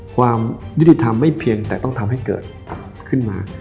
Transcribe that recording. ความยุติธรรมไม่เพียงแต่ต้องทำให้เกิดขึ้นมา